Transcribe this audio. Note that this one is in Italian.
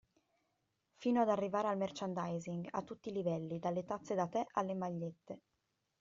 Fino ad arrivare al merchandising (a tutti i livelli, dalle tazze da the alle magliette).